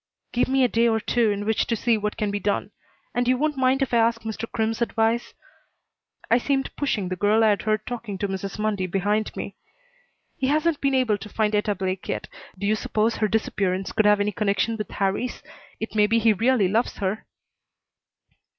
"Give me a day or two in which to see what can be done. And you won't mind if I ask Mr. Crimm's advice?" I seemed pushing the girl I'd heard talking to Mrs. Mundy behind me. "He hasn't been able to find Etta Blake yet. Do you suppose her disappearance could have any connection with Harrie's? It may be he really loves her."